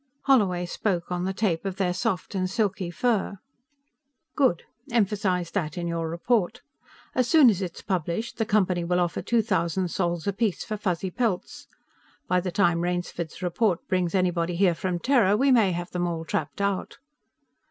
"Holloway spoke, on the tape, of their soft and silky fur." "Good. Emphasize that in your report. As soon as it's published, the Company will offer two thousand sols apiece for Fuzzy pelts. By the time Rainsford's report brings anybody here from Terra, we may have them all trapped out."